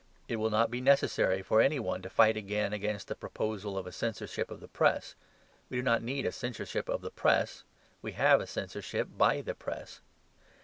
It will not be necessary for any one to fight again against the proposal of a censorship of the press. We do not need a censorship of the press. We have a censorship by the press.